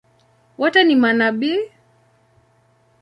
Wote ni manabii?